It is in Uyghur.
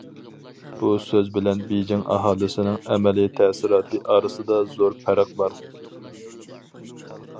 بۇ سۆز بىلەن بېيجىڭ ئاھالىسىنىڭ ئەمەلىي تەسىراتى ئارىسىدا زور پەرق بار.